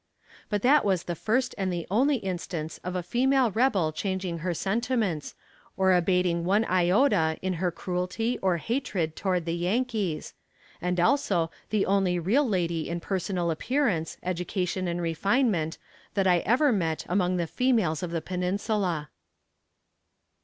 But that was the first and the only instance of a female rebel changing her sentiments, or abating one iota in her cruelty or hatred toward the "Yankees;" and also the only real lady in personal appearance, education and refinement, that I ever met among the females of the Peninsula.